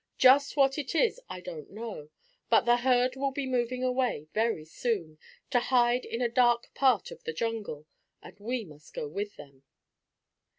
"Just what it is I don't know. But the herd will be moving away very soon, to hide in a dark part of the jungle, and we must go with them."